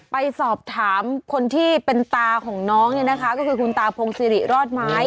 ไปสอบถามคนที่เป็นตาของน้องเนี่ยนะคะก็คือคุณตาพงศิริรอดไม้